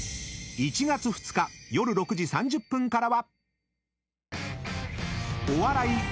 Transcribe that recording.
［１月２日夜６時３０分からは］